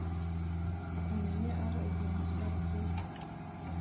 Kumenya aho igenzura rigeze